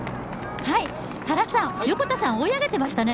原さん、横田さんが追い上げていましたね。